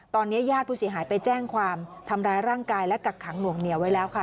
ตอนนี้ญาติผู้เสียหายไปแจ้งความทำร้ายร่างกายและกักขังหน่วงเหนียวไว้แล้วค่ะ